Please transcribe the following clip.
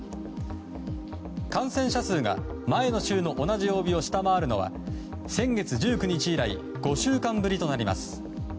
感染者数が前の週の同じ曜日を下回るのは先月１９日以来５週間ぶりとなります。